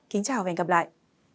kính chào và hẹn gặp lại